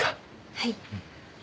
はい。